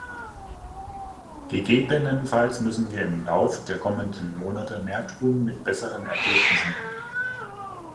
Gegebenenfalls müssen wir im Lauf der kommenden Monate mehr tun mit besseren Ergebnissen.